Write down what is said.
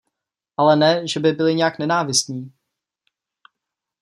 Ale ne, že by byli nějak nenávistní.